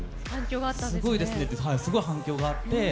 すごいですねってすごい反響があって。